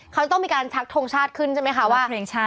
เขาจะต้องมีการชักทงชาติขึ้นใช่ไหมคะว่า